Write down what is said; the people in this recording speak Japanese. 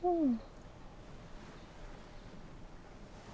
うん。